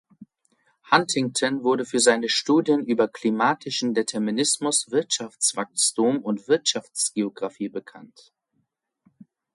Huntington wurde für seine Studien über klimatischen Determinismus, Wirtschaftswachstum und Wirtschaftsgeographie bekannt.